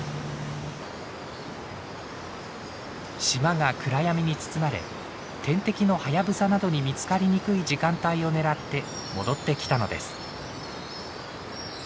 島が暗闇に包まれ天敵のハヤブサなどに見つかりにくい時間帯を狙って戻ってきたのです。